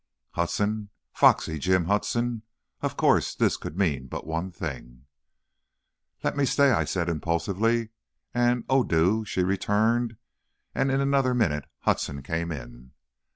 Hudson! Foxy Jim Hudson! Of course, this could mean but one thing. "Let me stay!" I said, impulsively, and, "Oh, do!" she returned, and in another minute Hudson came in.